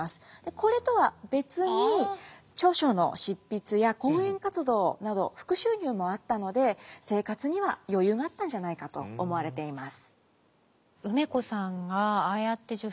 これとは別に著書の執筆や講演活動など副収入もあったので生活には余裕があったんじゃないかと思われています。